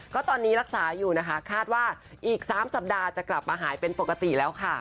ก็ตอนนี้รักษาอยู่นะคะคาดว่าอีก๓สัปดาห์จะกลับมาหายเป็นปกติแล้วค่ะ